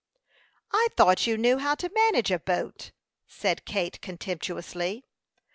"I thought you knew how to manage a boat," said Kate, contemptuously.